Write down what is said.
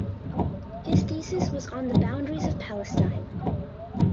His thesis was on the boundaries of Palestine.